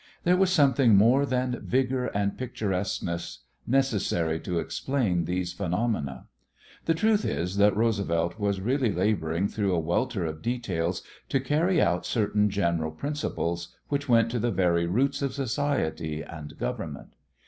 There was something more than vigor and picturesqueness necessary to explain these phenomena. The truth is that Roosevelt was really laboring through a welter of details to carry out certain general principles which went to the very roots of society and government.